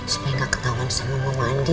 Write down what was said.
supaya gak ketahuan sama mama andi